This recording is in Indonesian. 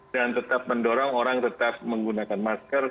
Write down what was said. dan tetap mendorong orang tetap menggunakan masker